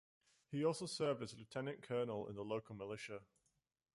He also served as lieutenant-colonel in the local militia.